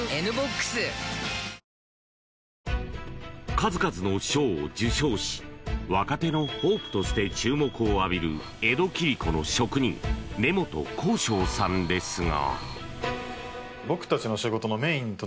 数々の賞を受賞し若手のホープとして注目を浴びる江戸切子の職人根本幸昇さんですが。